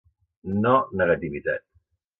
No negativitat.